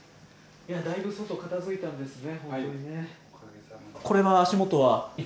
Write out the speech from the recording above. だいぶ外片づいたんですね。